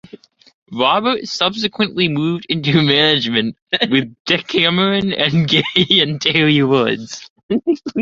Roberton subsequently moved into management with Decameron and Gay and Terry Woods.